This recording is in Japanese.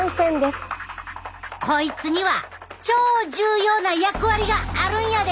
こいつには超重要な役割があるんやで！